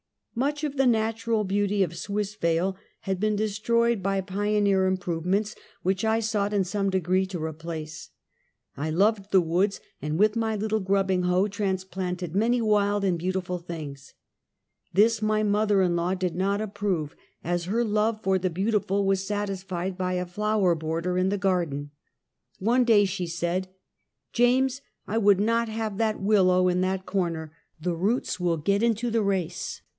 Much of the natural beauty of Swissvale had been destroyed by pioneer improvements, which I sought in some degree to replace. I loved the woods, and with my little grubbing hoe transplanted many wild and beautiful things. This my mother in law did not ap prove, as her love for the beautiful was satisfied by a flower border in the garden. One day she said :" James, I would not have that willow in that cor ner. The roots will get into the race.